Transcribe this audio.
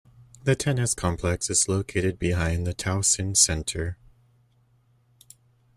The Tennis Complex is located behind the Towson Center.